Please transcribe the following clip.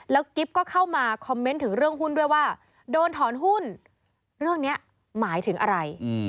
กิ๊บก็เข้ามาคอมเมนต์ถึงเรื่องหุ้นด้วยว่าโดนถอนหุ้นเรื่องนี้หมายถึงอะไร